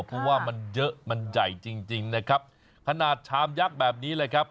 เพราะว่ามันเยอะมันใหญ่จริงจริงนะครับขนาดชามยักษ์แบบนี้เลยครับ